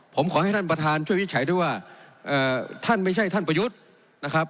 ผมขอให้ท่านประธานช่วยวิจัยด้วยว่าท่านไม่ใช่ท่านประยุทธ์นะครับ